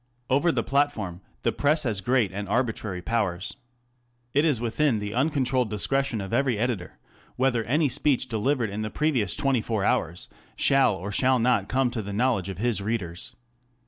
Over the Platform the Press has great and arbitrary powers. It is within the uncon trolled discretion of every editor whether any speech delivered in the previous twenty four hours shall or shall not come to the know ledge of his readers.